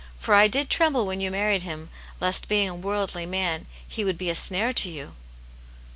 For I did tremble when you married him, lest being a worldly man, he would be a snare to you."